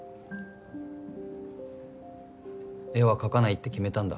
絵は描かないって決めたんだ。